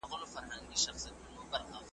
ایله خره ته سوه معلوم د ژوند رازونه .